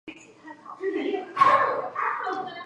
长教简氏大宗祠的历史年代为清。